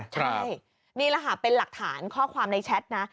ใช่นี่แหละค่ะเป็นหลักฐานข้อความในแชทนะ